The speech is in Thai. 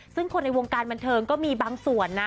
ซึ่งคนในวงการบันเทิงก็มีบางส่วนนะ